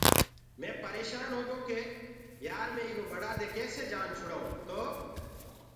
مي پريشآنٚ هوگو ڪي يآر مي ايٚرو ٻڙآ دي ڪيسي جآن ڇُڙآئونٚ تو